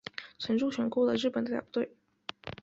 曾入选过的日本代表队。